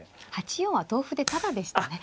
８四は同歩でタダでしたね。